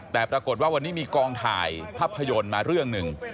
แต่ปรากฏว่าวันนี้มีกองถ่ายภาพยนตร์มาเรื่องหนึ่ง